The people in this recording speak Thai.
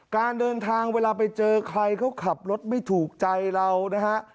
การเดินทางเวลาไปเจอใครเขาขับรถไม่ถูกใจเรานะฮะ